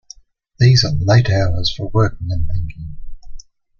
These are late hours for working and thinking.